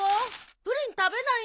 プリン食べないの？